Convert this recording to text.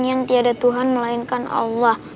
yang tiada tuhan melainkan allah